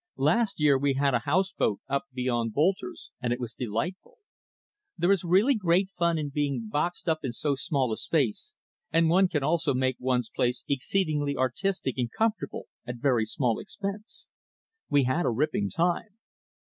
"Last year we had a house boat up beyond Boulter's, and it was delightful. There is really great fun in being boxed up in so small a space, and one can also make one's place exceedingly artistic and comfortable at very small expense. We had a ripping time."